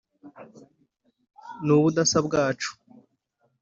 ni ubudasa bwacu